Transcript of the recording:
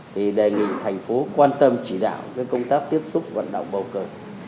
thì đề nghị thành phố quan tâm chỉ đạo công tác tiếp xúc vận động bầu cử